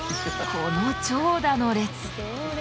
この長蛇の列。